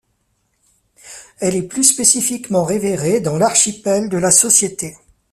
Elle est plus spécifiquement révérée dans l'Archipel de la Société.